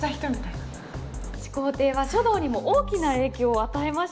始皇帝は書道にも大きな影響を与えました。